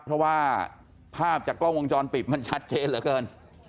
เพราะว่าภาพจากกล้องวงจรปิดมันชัดเจนเหลือเกิน